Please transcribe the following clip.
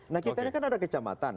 nah kita ini kan ada kecamatan